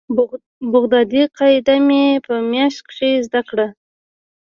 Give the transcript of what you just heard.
بغدادي قاعده مې په مياشت کښې زده کړه.